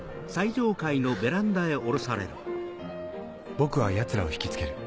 僕はヤツらを引きつける。